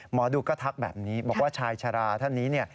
หมอดูก็ทักแบบนี้บอกว่าชายชาราท่านนี้เนี่ย